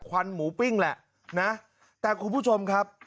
มันอยู่ชั้น๔คุณผู้ชม